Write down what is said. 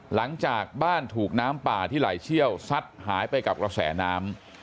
หลังจากบ้านถูกน้ำป่าที่ไหลเชี่ยวซัดหายไปกับกระแสน้ำ